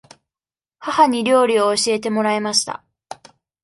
母に料理を教えてもらいました。